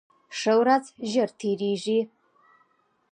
ښه ورځ ژر تېرېږي